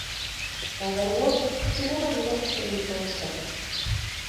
Catherwood tuvo una vida enigmática.